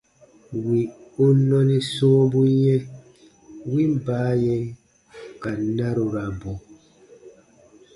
Wì u nɔni sɔ̃ɔbu yɛ̃, win baaye ka narurabu.